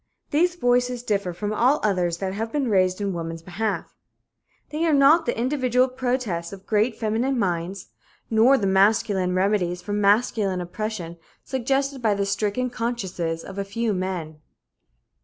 These voices differ from all others that have been raised in woman's behalf. They are not the individual protests of great feminine minds, nor the masculine remedies for masculine oppression suggested by the stricken consciences of a few men.